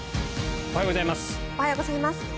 おはようございます。